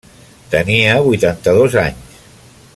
Tenia vuitanta-dos anys.